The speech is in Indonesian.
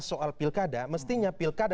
soal pilkada mestinya pilkada